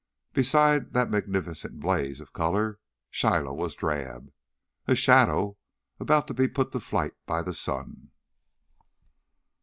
Beside that magnificent blaze of color Shiloh was drab, a shadow about to be put to flight by the sun.